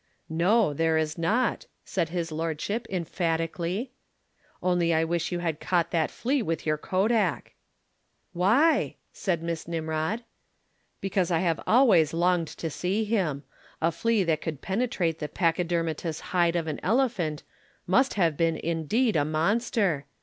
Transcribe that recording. "No, there is not," said his lordship emphatically. "Only I wish you had caught that flea with your Kodak." "Why?" said Miss Nimrod. "Because I have always longed to see him. A flea that could penetrate the pachydermatous hide of an elephant must have been, indeed, a monster.